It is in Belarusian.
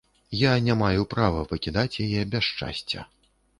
Я не маю права пакідаць яе без шчасця.